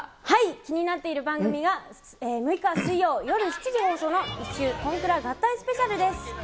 気になっている番組は、６日水曜夜７時放送の１周・こんくら合体スペシャルです。